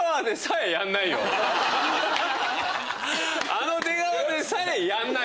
あの出川でさえやんない！